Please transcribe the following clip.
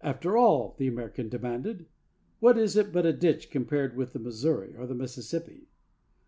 'After all,' the American demanded, 'what is it but a ditch compared with the Missouri or the Mississippi?'